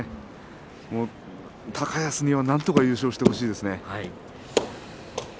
高安には、なんとか優勝をしてもらいたいですね。